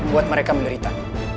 buat mereka menderita